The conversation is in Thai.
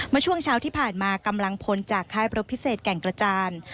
เมื่อช่วงเช้าที่ผ่านมากำลังพลจากค่ายรบพิเศษแก่งกระจาน